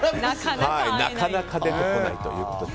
なかなか出てこないということで。